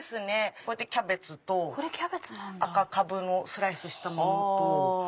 こうやってキャベツと赤カブのスライスしたものと。